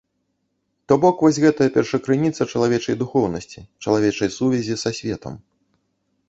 То бок вось гэтая першакрыніца чалавечай духоўнасці, чалавечай сувязі са светам.